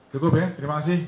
cukup ya terima kasih